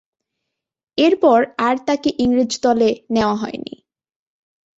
এরপর আর তাকে ইংরেজ দলে নেয়া হয়নি।